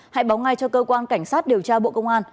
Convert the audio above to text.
hãy báo ngay cho cơ quan cảnh sát điều tra bộ công an